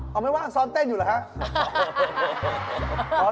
เขาไม่ว่างซ้อนเต้นอยู่แล้วนะครับ